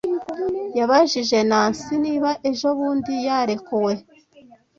Yabajije Nancy niba ejobundi yarekuwe.